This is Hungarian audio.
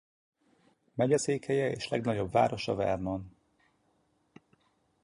Megyeszékhelye és legnagyobb városa Vernon.